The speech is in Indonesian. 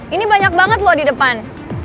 ini banyak banget loh di depan